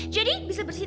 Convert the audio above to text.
jadi bisa bersihkan